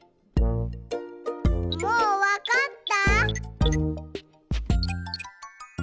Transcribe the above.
もうわかった？